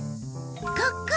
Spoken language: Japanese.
ここ！